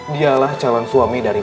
bapak akan coisas sih